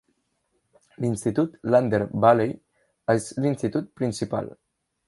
L'institut Lander Valley és l'institut principal.